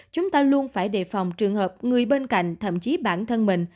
chúng ta luôn phải đề phòng trường hợp người bên cạnh thậm chí bản thân mình